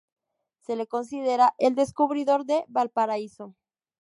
Se le considera el descubridor de Valparaíso.